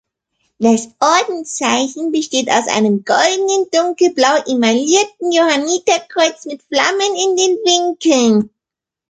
Das Ordenszeichen besteht aus einem goldenen, dunkelblau emaillierten Johanniterkreuz, mit Flammen in den Winkeln.